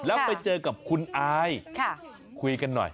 แล้วไปเจอกับคุณอายคุยกันหน่อย